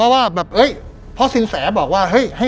ว่าพ่อซิลแซบอกว่า